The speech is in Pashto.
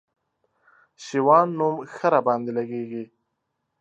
شېوان نوم ښه راباندي لګېږي